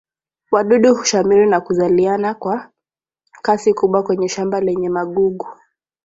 wadudu hushamiri na kuzaliana kwa kasi kubwa kwenye shamba lenye magugu